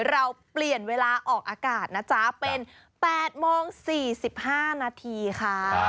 เราเปลี่ยนเวลาออกอากาศนะจ๊ะเป็น๘โมง๔๕นาทีค่ะ